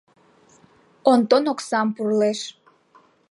Онтон оксам пурлеш.